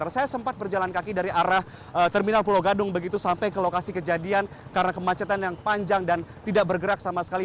saya sempat berjalan kaki dari arah terminal pulau gadung begitu sampai ke lokasi kejadian karena kemacetan yang panjang dan tidak bergerak sama sekali